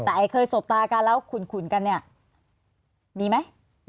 แต่ไอ้เคยสบตากันแล้วขุนกันเนี่ยมีไหม